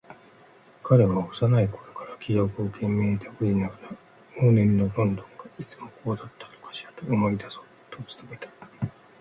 彼は幼いころの記憶を懸命にたぐりながら、往年のロンドンがいつもこうだったのかしらと思い出そうと努めた。